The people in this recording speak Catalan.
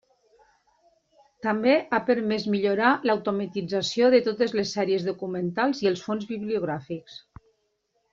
També ha permès millorar l'automatització de totes les sèries documentals i els fons bibliogràfics.